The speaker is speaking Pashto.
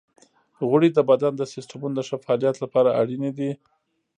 غوړې د بدن د سیستمونو د ښه فعالیت لپاره اړینې دي.